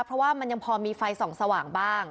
เพราะว่ามันยังพอมีไฟส่องสว่างบ้าง